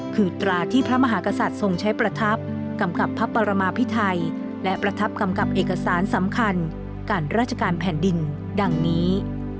คือตราที่พระมหากษัตริย์ทรงใช้ประทับกำกับพระปรมาพิไทยและประทับกำกับเอกสารสำคัญการราชการแผ่นดินดังนี้